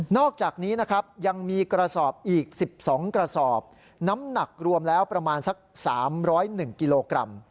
อกจากนี้นะครับยังมีกระสอบอีก๑๒กระสอบน้ำหนักรวมแล้วประมาณสัก๓๐๑กิโลกรัม